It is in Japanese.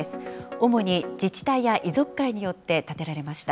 主に自治体や遺族会によって建てられました。